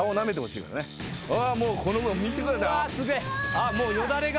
あっもうよだれが。